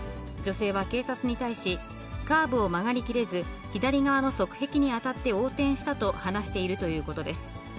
女性は警察に対し、カーブを曲がり切れず、左側の側壁に当たって横転したと話しているということです。